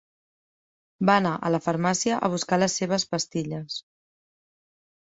Va anar a la farmàcia a buscar les seves pastilles.